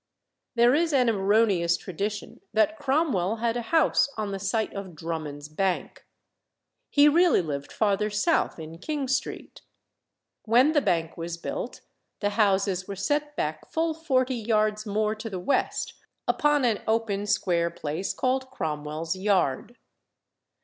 There is an erroneous tradition that Cromwell had a house on the site of Drummond's bank. He really lived farther south, in King Street. When the bank was built, the houses were set back full forty yards more to the west, upon an open square place called "Cromwell's Yard."